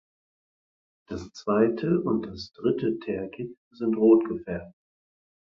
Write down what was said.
Das zweite und das dritte Tergit sind rot gefärbt.